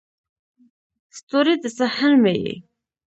ستوری، د سحر مې یې